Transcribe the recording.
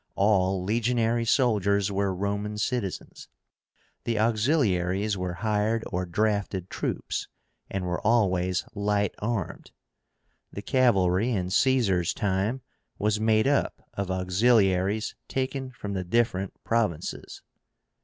All legionary soldiers were Roman citizens. The auxiliaries were hired or drafted troops, and were always light armed. The cavalry in Caesar's time was made up of auxiliaries taken from the different provinces.